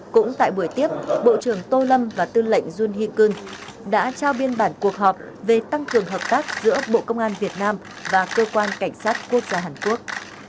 cũng tại buổi tiếp bộ trưởng tô lâm và tư lệnh junhikun đã trao biên bản cuộc họp về tăng cường hợp tác giữa bộ công an việt nam và cơ quan cảnh sát quốc gia hàn quốc